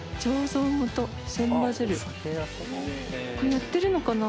やってるのかな？